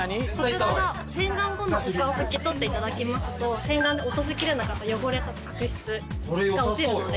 こちらが洗顔後のお顔拭き取っていただきますと洗顔で落としきれなかった汚れとか角質が落ちるので。